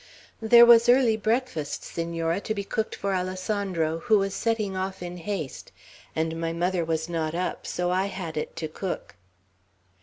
"There was early breakfast, Senora, to be cooked for Alessandro, who was setting off in haste, and my mother was not up, so I had it to cook."